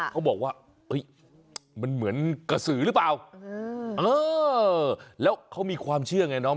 เขาบอกว่าเฮ้ยมันเหมือนกระสือหรือเปล่าเออแล้วเขามีความเชื่อไงน้อง